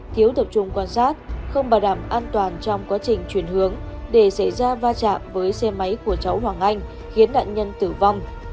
thiếu tập trung quan sát không bảo đảm an toàn trong quá trình chuyển hướng để xảy ra va chạm với xe máy của cháu hoàng anh khiến nạn nhân tử vong